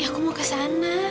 ya aku mau ke sana